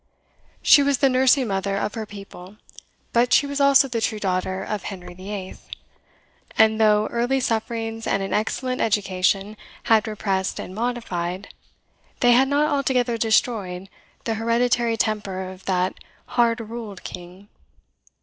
She was the nursing mother of her people, but she was also the true daughter of Henry VIII.; and though early sufferings and an excellent education had repressed and modified, they had not altogether destroyed, the hereditary temper of that "hard ruled king."